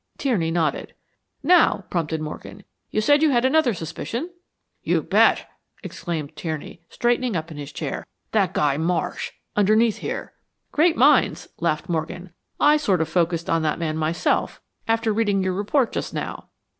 Tierney nodded. "Now," prompted Morgan, "you said you had another suspicion." "You bet!" exclaimed Tierney, straightening up in his chair. "That guy, Marsh underneath here." "'Great minds'," laughed Morgan. "I sort of focused on that man myself after reading your report just now."